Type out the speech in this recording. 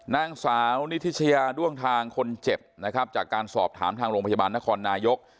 นางสาวนิทิชยาด้วงทางคนเจ็บนะครับจากการสอบถามทางโรงพยาบาลนครนายก